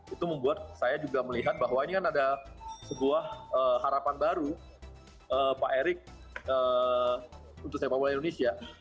itu membuat saya juga melihat bahwa ini kan ada sebuah harapan baru pak erik untuk sepak bola indonesia